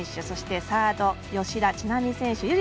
そして、サード吉田知那美選手。